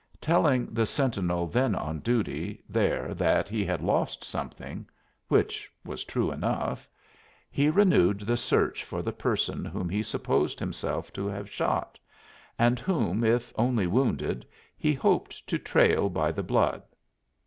Telling the sentinel then on duty there that he had lost something, which was true enough he renewed the search for the person whom he supposed himself to have shot, and whom if only wounded he hoped to trail by the blood.